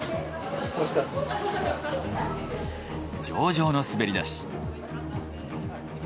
上々の滑りだし。